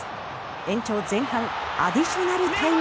延長前半アディショナルタイム。